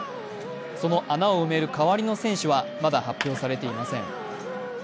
その穴を埋める代わりの選手はまだ発表されていません。